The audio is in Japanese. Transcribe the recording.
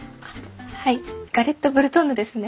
はいガレットブルトンヌですね。